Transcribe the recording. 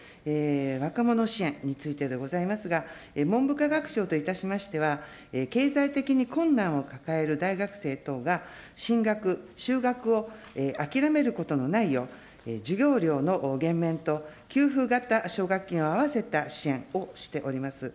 若者支援についてでございますが、文部科学省といたしましては、経済的に困難を抱える大学生等が進学、就学を諦めることのないよう、授業料の減免と給付型奨学金を合わせた支援をしております。